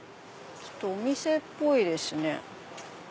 ちょっとお店っぽいですね。